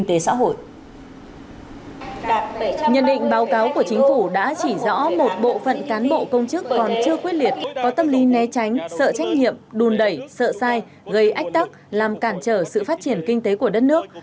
tâm lý né tránh sợ trách nhiệm đùn đẩy sợ sai gây ách tắc làm cản trở sự phát triển kinh tế của đất nước